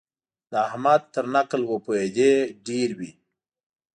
د احمد تر نکل وپوهېدې ډېر وي.